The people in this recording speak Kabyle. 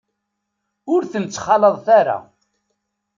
Ur ten-ttxalaḍet ara.